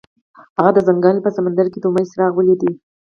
هغه د ځنګل په سمندر کې د امید څراغ ولید.